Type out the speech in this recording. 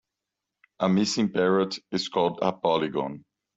A missing parrot is called a polygon.